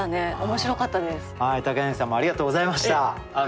柳さんもありがとうございました。